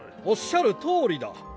おっしゃるとおりだ。